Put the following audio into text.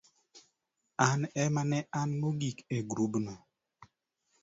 an ema ne an mogik e grubno.